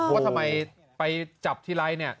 ก็ทำไมไปจับตีไร้เนี่ย